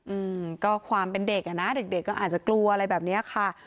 อืมก็ความเป็นเด็กอ่ะนะเด็กเด็กก็อาจจะกลัวอะไรแบบเนี้ยค่ะ